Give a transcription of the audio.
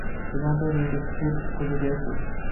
শুধুমাত্র দুইটি শীট খুঁজে পেয়েছি।